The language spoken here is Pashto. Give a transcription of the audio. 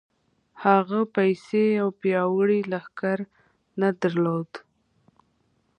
هغه پيسې او پياوړی لښکر نه درلود.